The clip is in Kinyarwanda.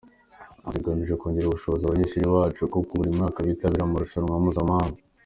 Ati “Tugamije kongerera ubushobozi abanyeshuri bacu, kuko buri mwaka bitabira amarushanwa mpuzamahanga.